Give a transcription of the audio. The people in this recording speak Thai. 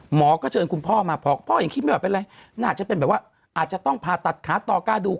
หมอก็เชิญคุณพ่อมาพอพ่อยังคิดไม่ว่าเป็นไรน่าจะเป็นแบบว่าอาจจะต้องผ่าตัดขาต่อกระดูก